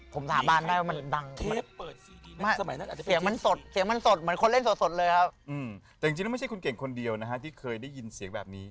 ผมถ้ามหาบ้านได้ว่ามันดัง